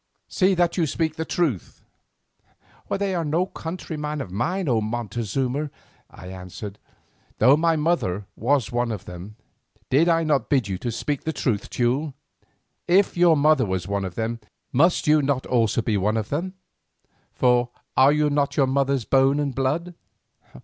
See that you speak truth." "They are no countrymen of mine, O Montezuma," I answered, "though my mother was one of them." "Did I not bid you speak the truth, Teule? If your mother was one of them, must you not also be of them; for are you not of your mother's bone and blood?"